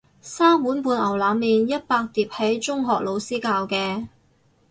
三碗半牛腩麵一百碟係中學老師教嘅